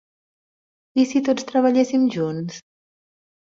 I si tots treballéssim junts?